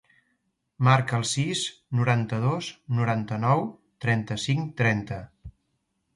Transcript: Marca el sis, noranta-dos, noranta-nou, trenta-cinc, trenta.